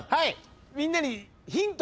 みんなにヒント。